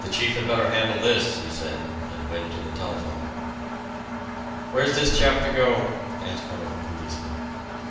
"The chief had better handle this," he said, and went to the telephone. "Where's this chap to go?" asked one of the policemen.